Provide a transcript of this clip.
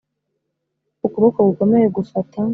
ukuboko gukomeye gufata